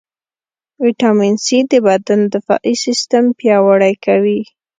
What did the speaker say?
ويټامين C د بدن دفاعي سیستم پیاوړئ کوي.